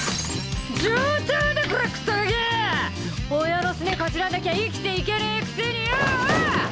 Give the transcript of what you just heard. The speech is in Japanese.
親のすねかじらなきゃ生きていけねえくせによ！